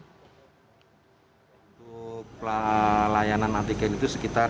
untuk pelayanan antigen itu sekitar